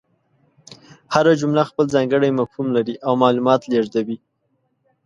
هره جمله خپل ځانګړی مفهوم لري او معلومات لېږدوي.